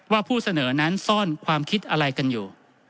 ผู้เสนอนั้นซ่อนความคิดอะไรกันอยู่